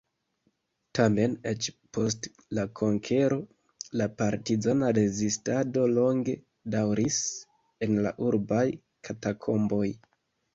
Tamen, eĉ post la konkero la partizana rezistado longe daŭris en la urbaj katakomboj.